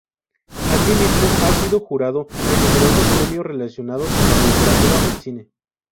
Asimismo, ha sido jurado en numerosos premios relacionados con la literatura y el cine.